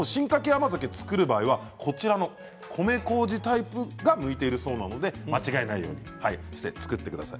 甘酒をつくる場合はこちらの米こうじタイプが向いているそうなので間違いないように造ってください。